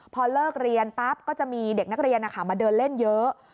พอเลิกเรียนปั๊บก็จะมีเด็กนักเรียนมาเดินเล่นเยอะ